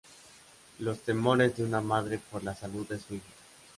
Los temores de una madre por la salud de su hijo.